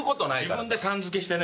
自分で「さん」付けしてね。